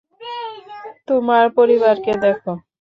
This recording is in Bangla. তোমার পরিবারকে দেখো।